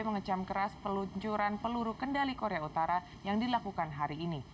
mengecam keras peluncuran peluru kendali korea utara yang dilakukan hari ini